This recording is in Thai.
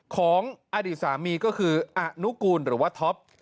ของอดีตสามีก็คืออนุกูลหรือว่าท็อป